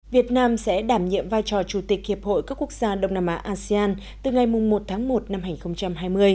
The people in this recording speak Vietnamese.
việt nam sẽ đảm nhiệm vai trò chủ tịch hiệp hội các quốc gia đông nam á asean từ ngày một tháng một năm hai nghìn hai mươi